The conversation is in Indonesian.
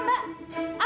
apa mau mbak